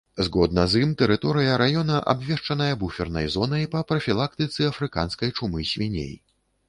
Згодна з ім тэрыторыя раёна абвешчаная буфернай зонай па прафілактыцы афрыканскай чумы свіней.